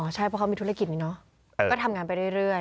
ใช่เพราะเขามีธุรกิจนี้เนอะก็ทำงานไปเรื่อย